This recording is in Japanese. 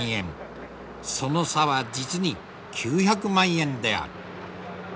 その差は実に９００万円である。